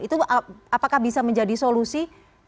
itu apakah bisa menjadi solusi